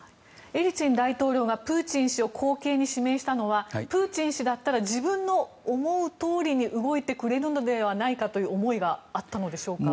エリツィン大統領がプーチン氏を後継に指名したのはプーチン氏だったら自分の思うとおりに動いてくれるのではないかという思いがあったのでしょうか？